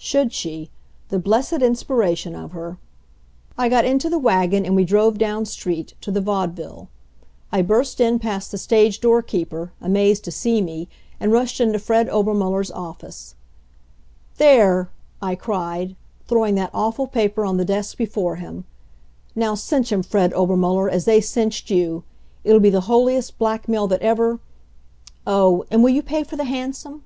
Should she! The blessed inspiration of her! I got into the wagon and we drove down street to the Vaudeville. I burst in past the stage doorkeeper, amazed to see me, and rushed into Fred Obermuller's office. "There!" I cried, throwing that awful paper on the desk before him. "Now cinch 'em, Fred Obermuller, as they cinched you. It'll be the holiest blackmail that ever oh, and will you pay for the hansom?"